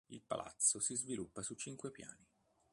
Il palazzo si sviluppa su cinque piani.